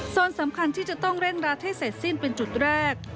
สำคัญที่จะต้องเร่งรัดให้เสร็จสิ้นเป็นจุดแรก